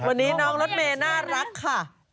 วันนี้น้องรถเมย์น่ารักค่ะ